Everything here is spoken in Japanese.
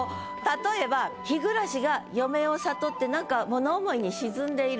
例えばひぐらしが余命を悟ってなんか物思いに沈んでいる。